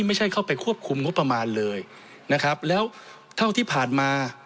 ไม่ใช่เข้าไปควบคุมงบประมาณเลยนะครับแล้วเท่าที่ผ่านมา